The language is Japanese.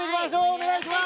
お願いします！